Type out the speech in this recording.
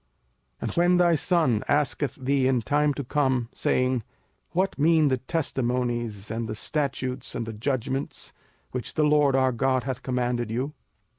05:006:020 And when thy son asketh thee in time to come, saying, What mean the testimonies, and the statutes, and the judgments, which the LORD our God hath commanded you?